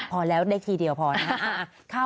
พอแล้วได้ทีเดียวพอนะครับ